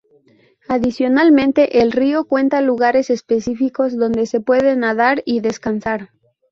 Adicionalmente, el río cuenta lugares específicos donde se puede nadar y descansar.